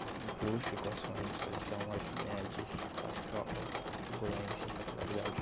Empuxo, equações, pressão, Aquimedes, Pascal, turbulência, capilaridade